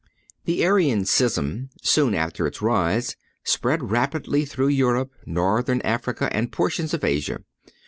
The Arian schism, soon after its rise, spread rapidly through Europe, Northern Africa and portions of Asia.